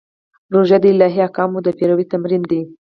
روژه د الهي احکامو د پیروي تمرین دی.